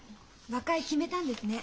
和解決めたんですね。